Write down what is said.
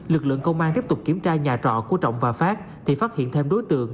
lực lượng công an tiếp tục kiểm tra nhà trọ của trọng và phát thì phát hiện thêm đối tượng